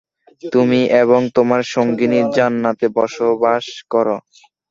তুমি এবং তোমার সঙ্গিনী জান্নাতে বসবাস কর।